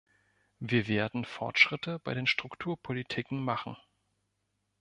Wir werden Fortschritte bei den Strukturpolitiken machen.